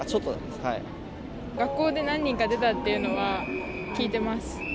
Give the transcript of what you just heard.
学校で何人か出たっていうのは聞いてます。